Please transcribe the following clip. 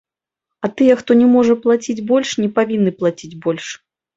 А тыя, хто не можа плаціць больш, не павінны плаціць больш.